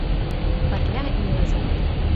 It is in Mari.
ПЫРЛЯ ИЛЫЗА